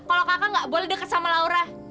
kalau kakak gak boleh dekat sama laura